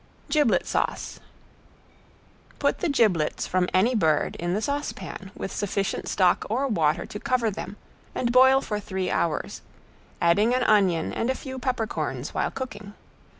~GIBLET SAUCE~ Put the giblets from any bird in the saucepan with sufficient stock or water to cover them and boil for three hours, adding an onion and a few peppercorns while cooking.